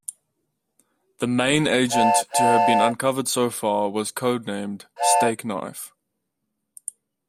The main agent to have been uncovered so far was codenamed "Stakeknife".